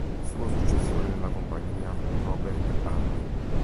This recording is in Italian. Il suo successore nella compagnia fu Robert Armin.